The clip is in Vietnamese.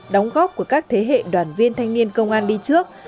đóng góp của các thế hệ đoàn viên thanh niên công an đi trước